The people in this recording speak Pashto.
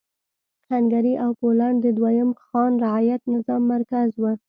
هنګري او پولنډ د دویم خان رعیت نظام مرکز و.